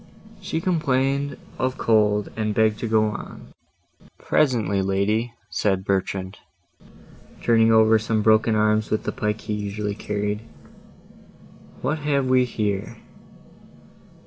She complained of cold, and begged to go on. "Presently, lady," said Bertrand, turning over some broken arms with the pike he usually carried. "What have we here?"